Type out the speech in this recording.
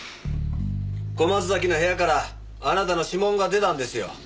小松崎の部屋からあなたの指紋が出たんですよ。